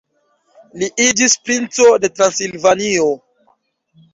Li iĝis princo de Transilvanio.